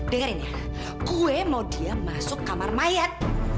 dengarin ya gue mau dia masuk kamar mayat